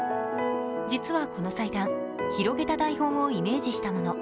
実はこの祭壇、広げた台本をイメージしたもの。